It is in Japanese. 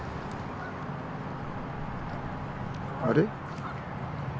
あれ？